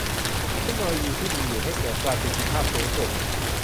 เทคโนโลยีที่มีอยู่ให้เกิดประสิทธิภาพสูงสุด